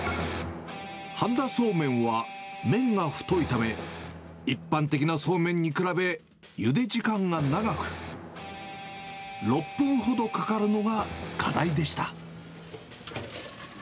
半田そうめんは麺が太いため、一般的なそうめんに比べ、ゆで時間が長く、６分ほどかかるのが課題でした。